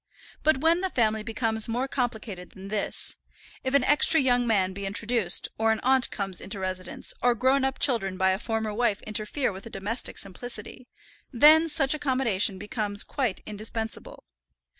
But when the family becomes more complicated than this, if an extra young man be introduced, or an aunt comes into residence, or grown up children by a former wife interfere with the domestic simplicity, then such accommodation becomes quite indispensable.